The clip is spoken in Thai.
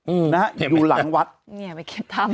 อืมนะฮะอยู่หลังวัดเนี่ยไปเก็บถ้ำ